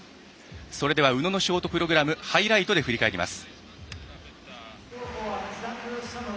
それでは宇野のショートプログラムハイライトで振り返ります。